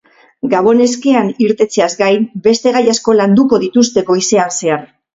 Gabon-eskean irtetzeaz gain, beste gai asko landuko dituzte goizean zehar.